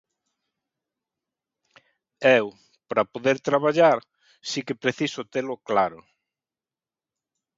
Eu, para poder traballar, si que preciso telo claro.